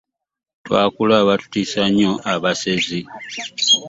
Twakula batutiisa nnyo abasezi.